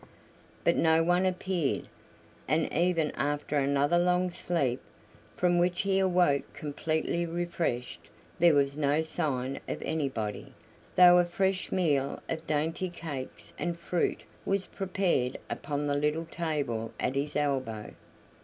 But no one appeared, and even after another long sleep, from which he awoke completely refreshed, there was no sign of anybody, though a fresh meal of dainty cakes and fruit was prepared upon the little table at his elbow.